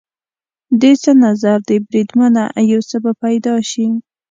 دې څه نظر دی بریدمنه؟ یو څه به پیدا شي.